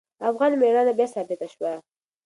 افغان میړانه بیا ثابته شوه.